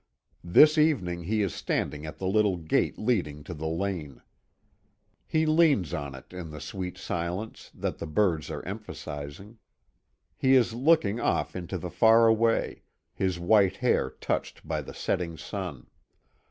This evening he is standing at the little gate leading to the lane. He leans on it in the sweet silence, that the birds are emphasizing. He is looking off into the far away, his white hair touched by the setting sun.